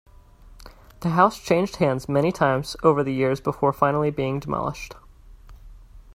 The house changed hands many times over the years before finally being demolished.